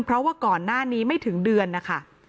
เพราะว่าก่อนหน้านี้ไม่ถึงเดือนนะคะ